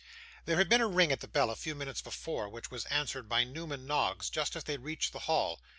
There had been a ring at the bell a few minutes before, which was answered by Newman Noggs just as they reached the hall.